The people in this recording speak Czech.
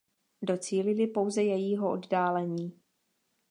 Docílili pouze jejího oddálení.